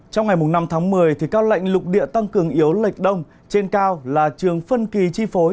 trong ngày năm tháng một mươi các lạnh lục địa tăng cường yếu lệch đông trên cao là trường phân kỳ chi phối